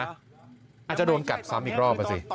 อาจจะโดนกัดซ้ำอีกรอบอ่ะสิ